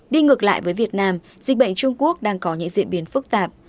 đi ngược lại với việt nam dịch bệnh trung quốc đang có những diễn biến phức tạp